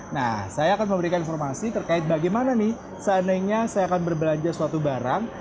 nah saya akan memberikan informasi terkait bagaimana nih seandainya saya akan berbelanja suatu barang